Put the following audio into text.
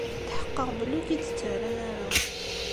Tḥeqqeɣ belli ur -k-id-ttarran ara.